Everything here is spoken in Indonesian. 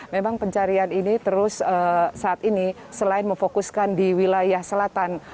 memang pencarian ini terus saat ini selain memfokuskan di wilayah selatan